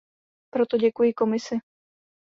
Proto děkuji Komisi.